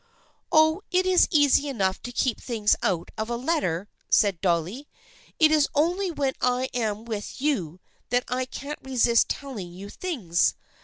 " Oh, it is easy enough to keep things out of a letter," said Dolly. " It is only when I am with you that I can't resist telling you things.